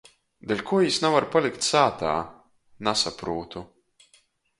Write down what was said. "Deļkuo jis navar palikt sātā?" nasaprūtu.